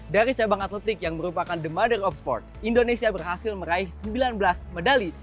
dari cabang atletik yang merupakan the mother of sport indonesia berhasil meraih sembilan belas medali